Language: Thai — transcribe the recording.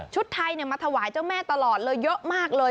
ไทยมาถวายเจ้าแม่ตลอดเลยเยอะมากเลย